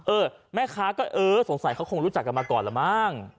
เออแม่ค้าก็เออสงสัยเขาคงรู้จักกันมาก่อนละมั้ง